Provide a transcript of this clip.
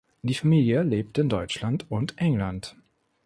Die Familie lebt in Deutschland und England.